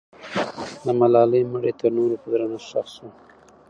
د ملالۍ مړی تر نورو په درنښت ښخ سو.